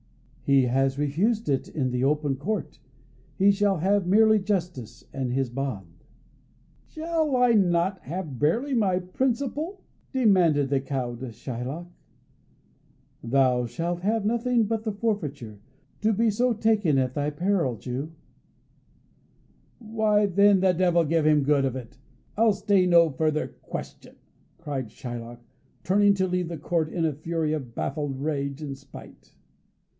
"He has refused it in the open court; he shall have merely justice and his bond." "Shall I not have barely my principal?" demanded the cowed Shylock. "Thou shalt have nothing but the forfeiture, to be so taken at thy peril, Jew." "Why, then, the devil give him good of it! I'll stay no further question," cried Shylock, turning to leave the Court in a fury of baffled rage and spite.